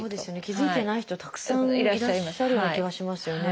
気付いてない人たくさんいらっしゃるような気がしますよね。